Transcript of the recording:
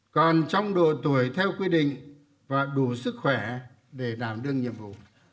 còn trong độ tuổi theo quy định và đủ sức khỏe để đảm đương nhiệm vụ